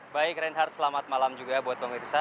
baik renhard selamat malam juga buat pengirsa